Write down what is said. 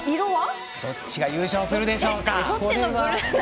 どっちが優勝するでしょうか。